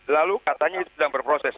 lalu katanya itu sedang berproses